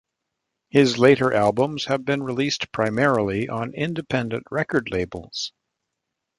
His later albums have been released primarily on independent record labels.